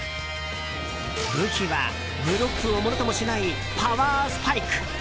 武器はブロックをものともしないパワースパイク。